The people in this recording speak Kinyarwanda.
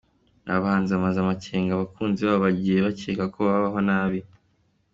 Aba bahanzi bamaze amakenga abakunzi babo bagiye bakeka ko babaho nabi.